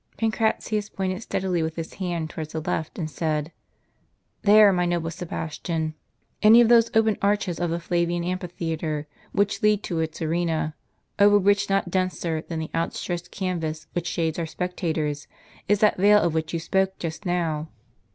Pancratius pointed steadily with his hand towards the left, and said :" There, my noble Sebastian ; any of those open arches of the Flavian amphitheatre, which lead to its arena ; over which, not denser than the outstretched canvas which shades our spectators, is that veil of which you spoke just now.